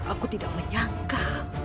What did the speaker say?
aku tidak menyangka